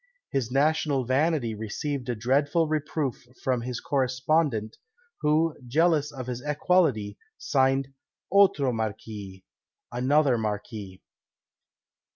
His national vanity received a dreadful reproof from his correspondent, who, jealous of his equality, signed OTRO Marqies (ANOTHER Marquis).